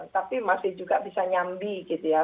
tapi masih juga bisa nyambi gitu ya